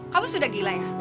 kamu sudah gila ya